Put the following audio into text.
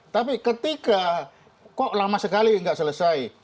tapi ketika kok lama sekali nggak selesai